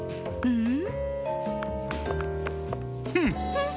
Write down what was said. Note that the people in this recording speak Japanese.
うん。